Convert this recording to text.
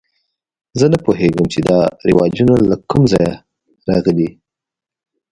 زه نه پوهېږم چې دا رواجونه له کومه ځایه راغلي.